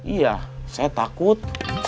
iya saya takut